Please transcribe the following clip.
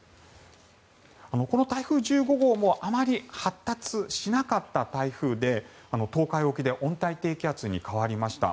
この台風１５号もあまり発達しなかった台風で東海沖で温帯低気圧に変わりました。